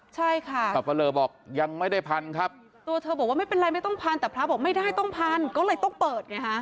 ใช่ค่ะสับปะเลอบอกยังไม่ได้พันครับตัวเธอบอกว่าไม่เป็นไรไม่ต้องพันแต่พระบอกไม่ได้ต้องพันก็เลยต้องเปิดไงฮะ